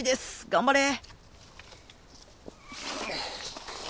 頑張れ。